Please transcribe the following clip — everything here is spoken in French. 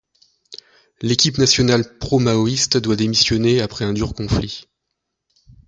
L'équipe nationale pro-maoïste doit démissionner après un dur conflit.